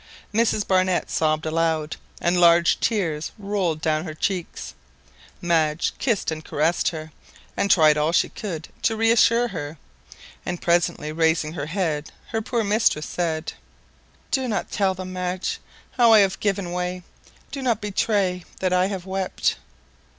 Mrs Barnett sobbed aloud, and large tears rolled down her cheeks. Madge kissed and caressed her, and tried all she could to reassure her; and presently, raising her head, her poor mistress said— "Do not tell them, Madge, how I have given way—do not betray that I have wept."